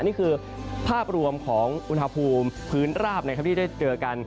นี่คือภาพรวมของอุณหภูมิพื้นราบที่จะเจอกัน